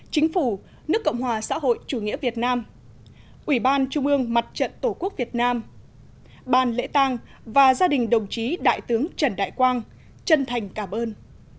chính phủ nước cộng hòa xã hội chủ nghĩa việt nam ủy ban trung ương mặt trận tổ quốc việt nam ban lễ tàng và gia đình đồng chí đại tướng trần đại quang chân thành cảm ơn